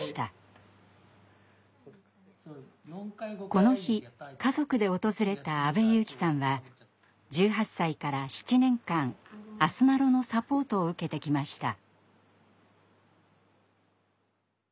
この日家族で訪れた阿部雄輝さんは１８歳から７年間あすなろのサポートを受けてきました。